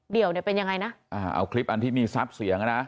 เดี่ยวเนี่ยเป็นยังไงนะเอาคลิปอันที่มีซับเสียงนะ